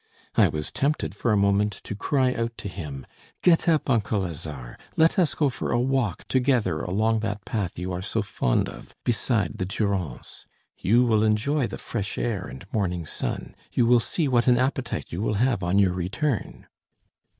I was tempted for a moment to cry out to him: "Get up, uncle Lazare! let us go for a walk together along that path you are so fond of beside the Durance. You will enjoy the fresh air and morning sun. You will see what an appetite you will have on your return!"